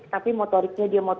tapi motoriknya dia motorik